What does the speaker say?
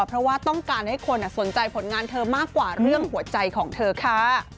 เพราะว่าต้องการให้คนสนใจผลงานเธอมากกว่าเรื่องหัวใจของเธอค่ะ